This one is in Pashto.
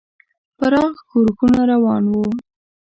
پراخ ښورښونه روان وو.